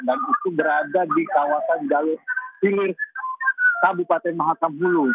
dan itu berada di kawasan di dalem silir kabupaten mahakam ulu